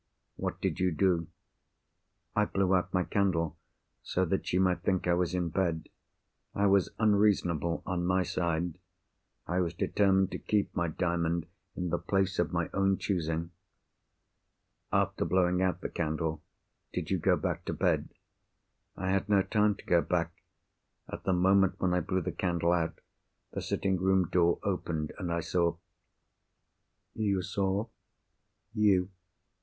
"What did you do?" "I blew out my candle, so that she might think I was in bed. I was unreasonable, on my side—I was determined to keep my Diamond in the place of my own choosing." "After blowing out the candle, did you go back to bed?" "I had no time to go back. At the moment when I blew the candle out, the sitting room door opened, and I saw——" "You saw?" "You."